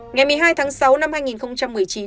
ngày một mươi hai tháng sáu năm hai nghìn một mươi chín